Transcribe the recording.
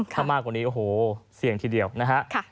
ถ้ามากกว่านี้โอ้โหเสี่ยงทีเดียวนะฮะ